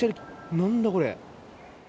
何だこれ？